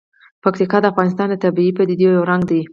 پکتیکا د افغانستان د طبیعي پدیدو یو رنګ دی.